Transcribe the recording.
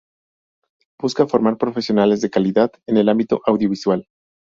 Busca formar profesionales de calidad en el ámbito audiovisual.